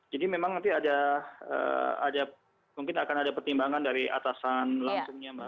jadi memang nanti ada mungkin akan ada pertimbangan dari atasan langsungnya mbak